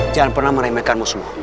jangan pernah meremehkan musuhmu